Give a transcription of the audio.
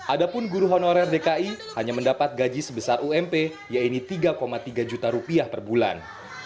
adapun guru honorer dki hanya mendapat gaji sebesar ump yaitu tiga tiga juta rupiah per bulan